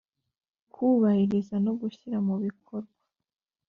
Kubahiriza no gushyira mubikorwa